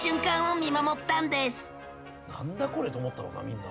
「なんだ？これ」と思ったろうなみんな。